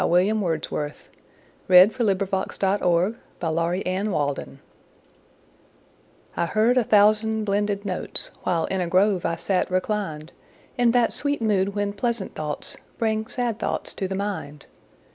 William Wordsworth Lines Written in Early Spring I HEARD a thousand blended notes, While in a grove I sate reclined, In that sweet mood when pleasant thoughts Bring sad thoughts to the mind.